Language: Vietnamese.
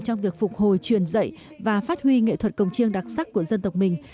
trong việc phục hồi truyền dạy và phát huy nghệ thuật cổng chiêng đặc sắc của dân tộc mình